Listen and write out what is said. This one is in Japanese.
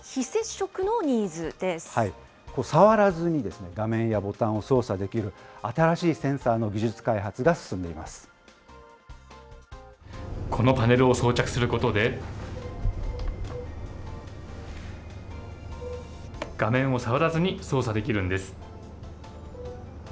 触らずに、画面やボタンを操作できる新しいセンサーの技術開このパネルを装着することで、画面を触らずに操作できるんです。